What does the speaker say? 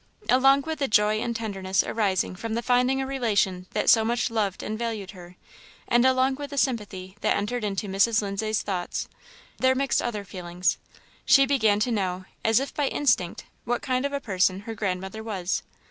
Along with the joy and tenderness arising from the finding a relation that so much loved and valued her, and along with the sympathy that entered into Mrs. Lindsay's thoughts, there mixed other feelings. She began to know, as if by instinct, what kind of a person her grandmother was.